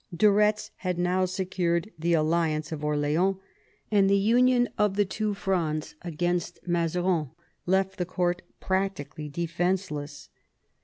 De Retz had now secured the alliance of Orleans, and the union of the two Frondes against Mazarin left the court practically defenceless.